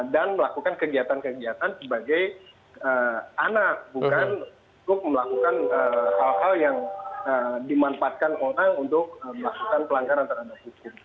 dan melakukan kegiatan kegiatan sebagai anak bukan untuk melakukan hal hal yang dimanfaatkan orang untuk melakukan pelanggaran terhadap usia